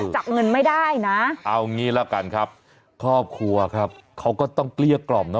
จับเงินไม่ได้นะเอางี้ละกันครับครอบครัวครับเขาก็ต้องเกลี้ยกล่อมนะ